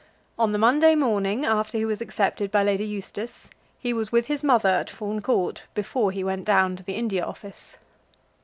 On the Monday morning, after he was accepted by Lady Eustace, he was with his mother at Fawn Court before he went down to the India Office.